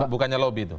bukannya lobby itu